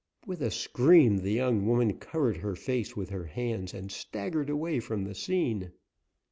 With a scream, the young woman covered her face with her hands and staggered away from the scene.